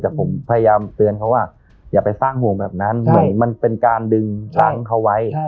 แต่ผมพยายามเตือนเขาว่าอย่าไปสร้างห่วงแบบนั้นเหมือนมันเป็นการดึงตั้งเขาไว้